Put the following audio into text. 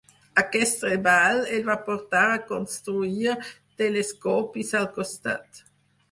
Aquest treball el va portar a construir telescopis al costat.